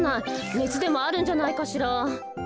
ねつでもあるんじゃないかしら。